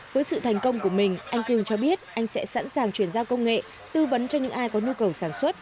với sự thành công của mình anh cường cho biết anh sẽ sẵn sàng chuyển giao công nghệ tư vấn cho những ai có nhu cầu sản xuất